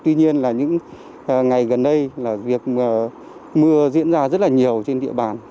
tuy nhiên là những ngày gần đây là việc mưa diễn ra rất là nhiều trên địa bàn